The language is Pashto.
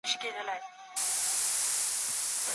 په پانګه وال نظام کي د ټولني زیان ته پام نه کیږي.